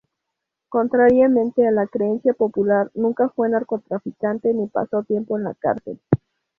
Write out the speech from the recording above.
Contrariamente a la creencia popular, nunca fue narcotraficante ni pasó tiempo en la cárcel.